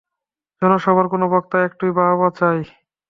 জনসভার কোন বক্তা একটু বাহবা চায়।